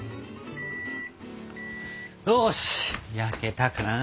よし焼けたかな。